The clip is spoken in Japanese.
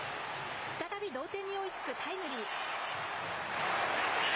再び同点に追いつくタイムリー。